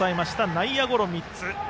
内野ゴロ３つ。